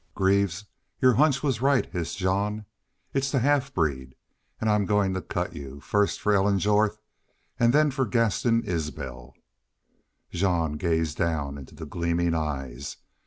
"Greaves, your hunch was right," hissed Jean. "It's the half breed.... An' I'm goin' to cut you first for Ellen Jorth an' then for Gaston Isbel!" Jean gazed down into the gleaming eyes.